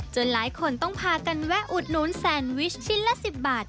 หลายคนต้องพากันแวะอุดหนุนแซนวิชชิ้นละ๑๐บาท